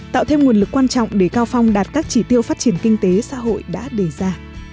tạo thêm nguồn lực quan trọng để cao phong đạt các chỉ tiêu phát triển kinh tế xã hội đã đề ra